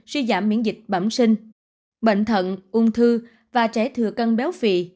suy giảm miễn dịch bẩm sinh bệnh thận ung thư và trẻ thừa cân béo phì